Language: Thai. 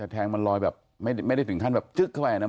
แทงมันลอยแบบไม่ได้ถึงขั้นแบบจึ๊กเข้าไปนะ